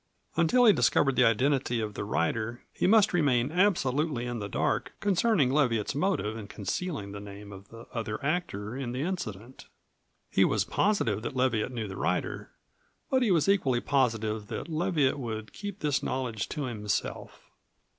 Until he discovered the identity of the rider he must remain absolutely in the dark concerning Leviatt's motive in concealing the name of this other actor in the incident. He was positive that Leviatt knew the rider, but he was equally positive that Leviatt would keep this knowledge to himself.